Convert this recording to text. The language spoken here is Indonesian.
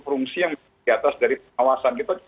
fungsi yang diatas dari pengawasan kita